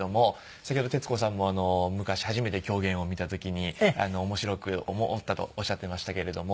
先ほど徹子さんも昔初めて狂言を見た時に面白く思ったとおっしゃっていましたけれども。